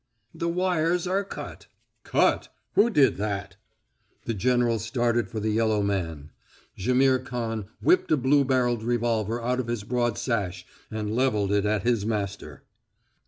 "The wires are cut." "Cut! Who did that?" The general started for the yellow man. Jaimihr Khan whipped a blue barreled revolver out of his broad sash and leveled it at his master.